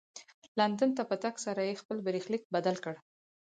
لندن ته په تګ سره یې خپل برخلیک بدل کړ.